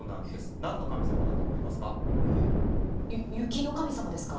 何の神様だと思いますか？